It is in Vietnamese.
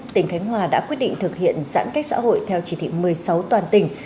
tỉnh khánh hòa đã quyết định thực hiện giãn cách xã hội theo chỉ thị một mươi sáu toàn tỉnh